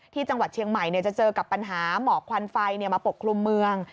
ที่จังหวัดเชียงใหม่จะเจอกับปัญหาหมอกควันไฟมาปกคลุมเมือง